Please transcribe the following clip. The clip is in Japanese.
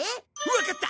わかった。